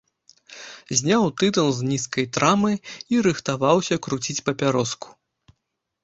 Зняў тытун з нізкай трамы і рыхтаваўся круціць папяроску.